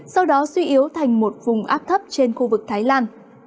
sau đó suy yếu thành một vùng áp thấp trên khu vực thái lan